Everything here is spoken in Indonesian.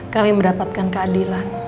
kami mendapatkan keadilan